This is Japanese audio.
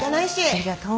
ありがとう。